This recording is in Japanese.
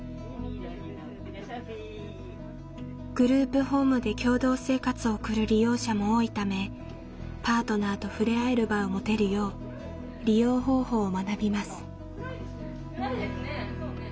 グループホームで共同生活を送る利用者も多いためパートナーと触れ合える場を持てるよう利用方法を学びます。